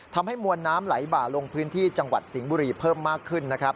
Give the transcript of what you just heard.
ทำให้มวลน้ำไหลบ่าลงพื้นที่จังหวัดสิงห์บุรีเพิ่มมากขึ้นนะครับ